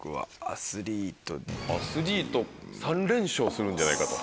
アスリート３連勝するんじゃないかと。